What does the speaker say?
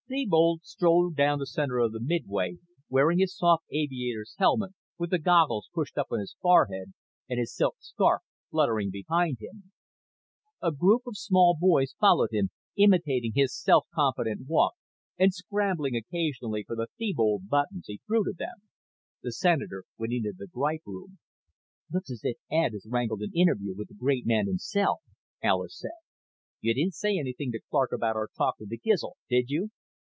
Thebold strode down the center of the midway, wearing his soft aviator's helmet with the goggles pushed up on his forehead and his silk scarf fluttering behind him. A group of small boys followed him, imitating his self confident walk and scrambling occasionally for the Thebold buttons he threw to them. The Senator went into the Gripe Room. "Looks as if Ed has wangled an interview with the great man himself," Alis said. "You didn't say anything to Clark about our talk with the Gizl, did you?"